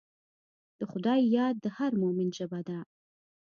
د خدای یاد د هر مؤمن ژبه ده.